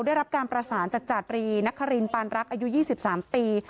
ได้รับการประสานจากจาตรีนักคารินปานรักอายุ๒๓ปี